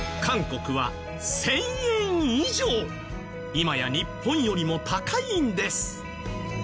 今や日本よりも高いんです。